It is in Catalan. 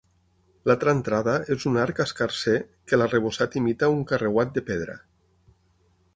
L'altra entrada és un arc escarser que l'arrebossat imita un carreuat de pedra.